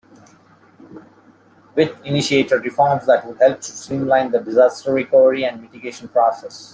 Witt initiated reforms that would help to streamline the disaster recovery and mitigation process.